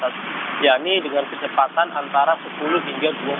yakni dengan kecepatan antara sepuluh hingga dua puluh